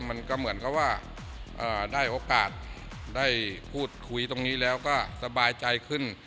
มันก็เหมือนกับว่าได้โอกาสได้พูดคุยตรงนี้แล้วก็สบายใจขึ้น